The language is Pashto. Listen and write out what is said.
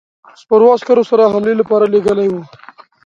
سپرو عسکرو سره حملې لپاره لېږلی وو.